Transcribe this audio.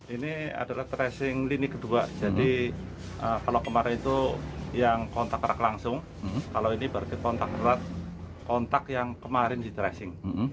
ini adalah tracing lini kedua jadi kalau kemarin itu yang kontak erat langsung kalau ini berarti kontak erat kontak yang kemarin di tracing